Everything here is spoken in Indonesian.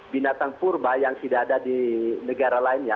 binatang purba yang tidak ada di negara lainnya